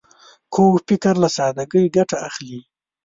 کوږ فکر له سادګۍ ګټه اخلي